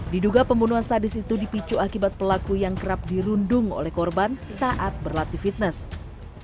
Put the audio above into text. diduga pembunuhan sadis itu dipicu akibat pelaku yang kerap dirundung oleh korban saat berlatih fitness